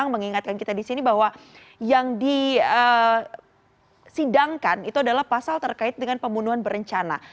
mengingatkan kita di sini bahwa yang disidangkan itu adalah pasal terkait dengan pembunuhan berencana